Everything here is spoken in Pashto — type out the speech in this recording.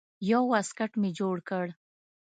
يو واسکټ مې جوړ کړ.